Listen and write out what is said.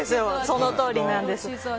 そのとおりなんです。